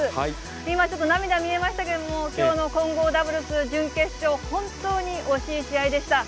今ちょっと涙見えましたけれども、きょうの混合ダブルス準決勝、本当に惜しい試合でした。